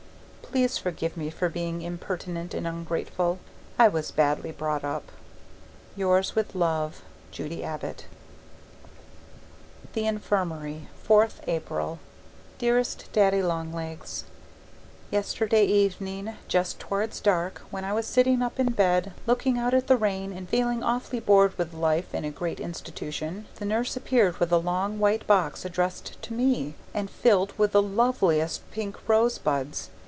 Please forgive me for being impertinent and ungrateful. I was badly brought up. Yours with love, Judy Abbott THE INFIRMARY 4th April Dearest Daddy Long Legs, Yesterday evening just towards dark, when I was sitting up in bed looking out at the rain and feeling awfully bored with life in a great institution, the nurse appeared with a long white box addressed to me, and filled with the LOVELIEST pink rosebuds.